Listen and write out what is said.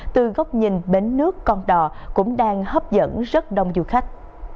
từ góc nhìn bến nước con đò cũng đang hấp dẫn rất đông du khách